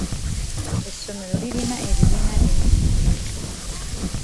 Essomero lirina ebibiina bingi nnyo.